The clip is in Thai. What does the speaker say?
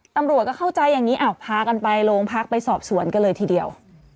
ตำรวจก็เข้าใจอย่างนี้พากันไปโรงพักไปสอบสวนกันเลยทีเดียว